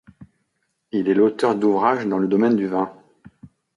Il est auteur d'ouvrages dans le domaine du vin.